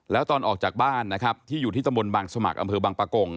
แล้วตอนออกจากบ้านนะครับที่อยู่ที่ตำบลบางสมัครอำเภอบางปะกง